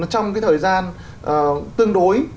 trong cái thời gian tương đối